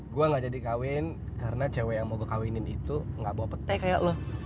gue gak jadi kawin karena cewek yang mau gue kawinin itu gak bawa petai kayak loh